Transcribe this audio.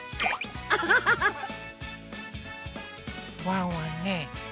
ワンワンね